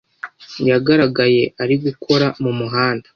yagaragaye ari gukora mumuhanda